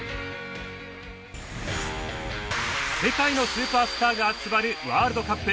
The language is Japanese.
世界のスーパースターが集まるワールドカップ。